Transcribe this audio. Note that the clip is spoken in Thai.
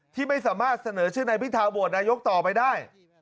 ที่ไม่สามารถเสนอชื่อนายพิธาโหวตนายกต่อไปได้